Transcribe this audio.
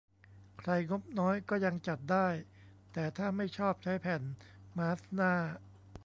ใครงบน้อยก็ยังจัดได้ แต่ถ้าไม่ชอบใช้แผ่นมาสก์หน้า